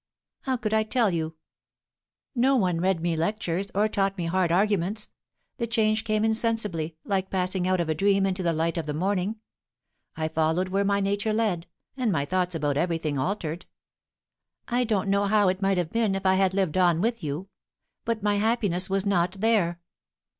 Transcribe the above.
"How could I tell you? No one read me lectures, or taught me hard arguments. The change came insensibly, like passing out of a dream into the light of morning. I followed where my nature led, and my thoughts about everything altered. I don't know how it might have been if I had lived on with you. But my happiness was not there."